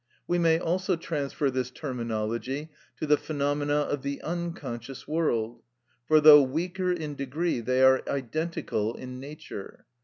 We may also transfer this terminology to the phenomena of the unconscious world, for though weaker in degree, they are identical in nature.